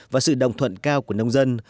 và sự đồng thuận cao của nông dân